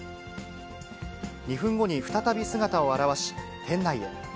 ２分後に再び姿を現し、店内へ。